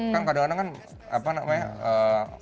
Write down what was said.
kan kadang kadang kan apa namanya